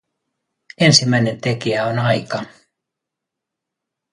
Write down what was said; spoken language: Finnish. Ensimmäinen tekijä on aika.